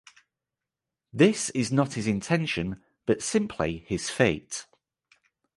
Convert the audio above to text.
This is not his intention but simply his fate.